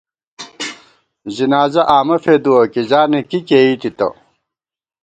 زِنازہ آمہ فېدُوَہ ، کِزانِک کی کېئی تِتہ